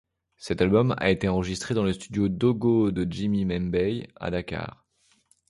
Cet album a été enregistré dans le studio Dogo de Jimi Mbaye, à Dakar.